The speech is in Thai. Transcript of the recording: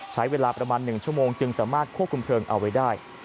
ใช้เวลาประมาณ๑ชั่วโมงจึงสามารถควบคุมเพลิงเอาไว้ได้